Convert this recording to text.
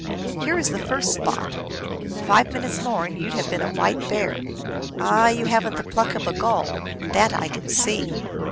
Here is the first spot. Five minutes more and you d have been a white bear. Ah, you have n t the pluck of a gull ; that I can see."